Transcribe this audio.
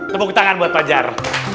tepuk tangan buat pajar